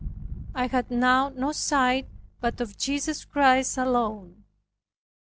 I had now no sight but of Jesus Christ alone.